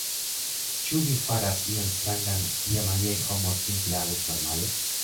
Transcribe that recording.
Ĉu vi faras ion strangan, kiam aliaj homoj simple agus normale.